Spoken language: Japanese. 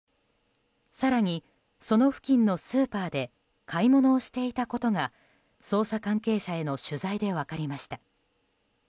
更に、その付近のスーパーで買い物をしていたことが捜査関係者への取材で分かりました。